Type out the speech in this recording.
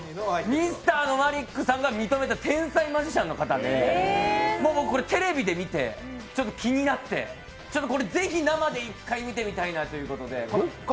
Ｍｒ．マリックさんが認めた天才マジシャンの方、テレビで見て、ちょっと気になって、ぜひ生で一回見てみたいなと思って。